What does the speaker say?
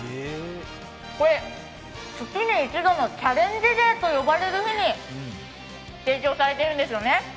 これ、月に１度のチャレンジデーと呼ばれる日に提供されているんですよね。